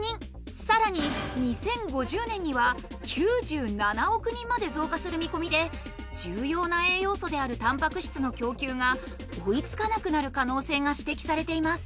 さらに２０５０年には９７億人まで増加する見込みで重要な栄養素であるタンパク質の供給が追いつかなくなる可能性が指摘されています。